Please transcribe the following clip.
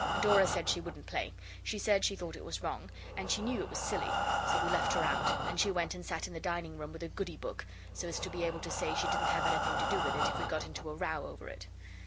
Dora said she wouldn't play; she said she thought it was wrong, and she knew it was silly so we left her out, and she went and sat in the dining room with a goody book, so as to be able to say she didn't have anything to do with it, if we got into a row over it.